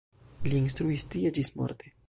Li instruis tie ĝismorte.